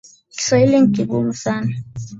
Kiswahili ni kigumu sana.